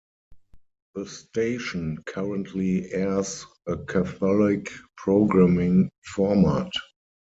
The station currently airs a Catholic programming format.